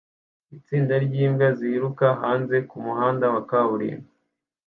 itsinda ryimbwa ziruka hanze kumuhanda wa kaburimbo